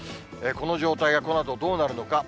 この状態がこのあとどうなるのか。